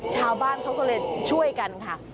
ชาวบ้านเขาก็เลยช่วยกันค่ะ